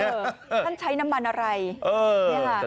ท่านใช้น้ำมันอะไรเนี่ยค่ะ